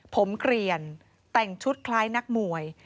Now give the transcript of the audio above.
ผมเกลียนแต่งชุดคล้ายนักมวย